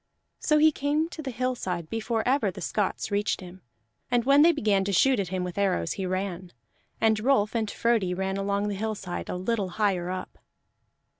So he came to the hillside before ever the Scots reached him; and when they began to shoot at him with arrows, he ran. And Rolf and Frodi ran along the hillside a little higher up.